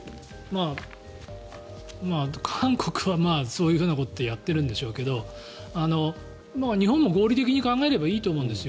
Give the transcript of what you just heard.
韓国はそういうことでやってるんでしょうけど日本も合理的に考えればいいと思うんです。